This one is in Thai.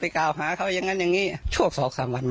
เออช่วงสองสามวันมาอย่างเนี้ยจริงวะมะ